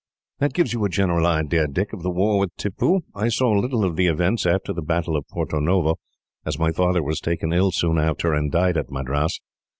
"That gives you a general idea, Dick, of the war with Tippoo. I saw little of the events after the battle of Porto Novo, as my father was taken ill soon after, and died at Madras.